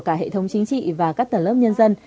cả hệ thống chính trị và các tầng lớp nhân dân